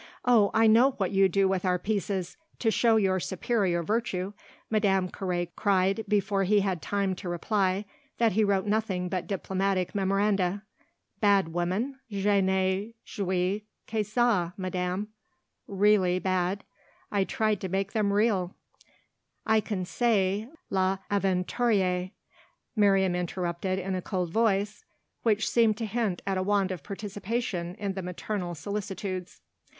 "Oh I know what you do with our pieces to show your superior virtue!" Madame Carré cried before he had time to reply that he wrote nothing but diplomatic memoranda. "Bad women? Je n'ai joué que ça, madame. 'Really' bad? I tried to make them real!" "I can say 'L'Aventurière,'" Miriam interrupted in a cold voice which seemed to hint at a want of participation in the maternal solicitudes.